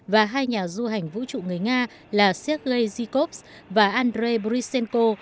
và hai nhà du hành vũ trụ người nga là sergey zhikovs và andrei brisenko